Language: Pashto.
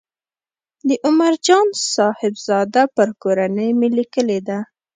د عمر جان صاحبزاده پر کورنۍ مې لیکلې ده.